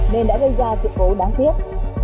nên đã gây ra sự cố đáng tiếc